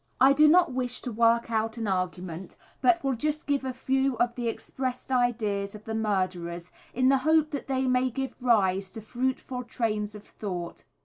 I do not wish to work out an argument, but will just give a few of the expressed ideas of the murderers, in the hope that they may give rise to fruitful trains of thought.